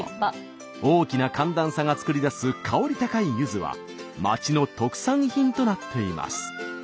大きな寒暖差が作り出す香り高いゆずは町の特産品となっています。